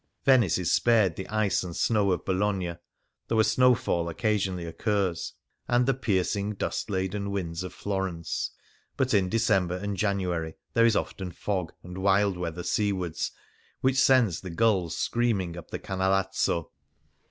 Venice is spared the ice and snow of Bologna (though a snowfall occa sionally occurs), and the piercing, dust laden winds of Florence ; but in December and January there is often fog, and wild weather seawards which sends the gulls screaming up the Cana lazzo.